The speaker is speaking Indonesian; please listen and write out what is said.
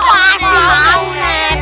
pasti mau nen